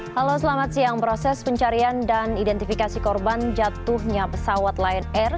halo selamat siang proses pencarian dan identifikasi korban jatuhnya pesawat lion air